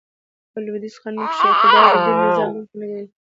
په لوېدیځ قانون کښي عقیده او دين د نظام برخه نه ګڼل کیږي.